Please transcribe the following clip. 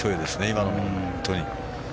今のも本当に。